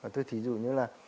thì ví dụ như là